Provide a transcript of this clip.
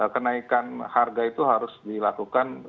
kenaikan harga itu harus dilakukan